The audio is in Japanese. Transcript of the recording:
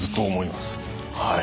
はい。